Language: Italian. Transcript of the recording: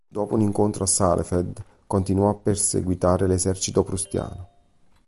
Dopo un incontro a Saalfeld, continuò a perseguitare l'esercito prussiano.